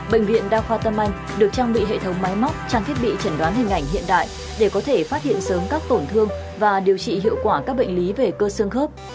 bệnh viện đa khoa tâm anh được trang bị hệ thống máy móc trang thiết bị chẩn đoán hình ảnh hiện đại để có thể phát hiện sớm các tổn thương và điều trị hiệu quả các bệnh lý về cơ xương khớp